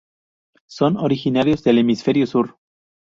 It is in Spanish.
Son originarios del hemisferio sur.